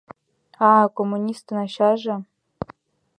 — А-а, коммунистын ачаже!